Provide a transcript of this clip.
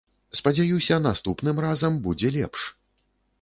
Спадзяюся наступным разам будзе лепш.